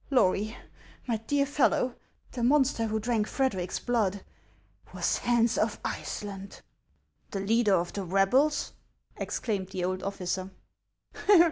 Lory, my dear fellow, the monster who drank Fred eric's blood was Hans of Iceland." " The leader of the rebels !" exclaimed the old officer.